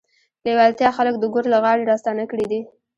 لېوالتیا خلک د ګور له غاړې راستانه کړي دي